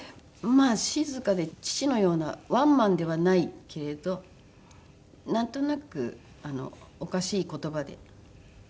まあ静かで父のようなワンマンではないけれどなんとなくおかしい言葉で私の仕返しをしますね。